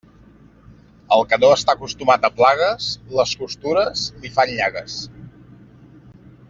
El que no està acostumat a plagues, les costures li fan llagues.